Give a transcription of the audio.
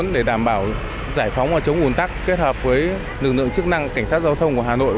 để đảm bảo giải phóng và chống ủn tắc kết hợp với lực lượng chức năng cảnh sát giao thông của hà nội